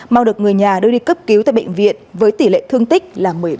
mau được người nhà đưa đi cấp cứu tại bệnh viện với tỷ lệ thương tích là một mươi ba